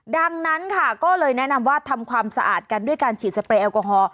ดังนั้นค่ะก็เลยแนะนำว่าทำความสะอาดกันด้วยการฉีดสเปรยแอลกอฮอล